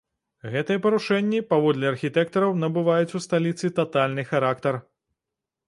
Гэтыя парушэнні, паводле архітэктараў, набываюць у сталіцы татальны характар.